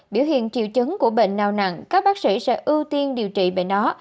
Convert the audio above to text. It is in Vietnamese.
biểu hiện triệu chứng của bệnh nào nặng các bác sĩ sẽ ưu tiên điều trị bệnh nó